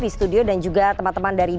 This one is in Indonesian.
di studio dan juga teman teman dari